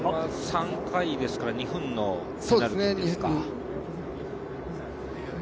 ３回ですかね、２分のペナルティーか。